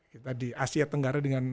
kita di asia tenggara dengan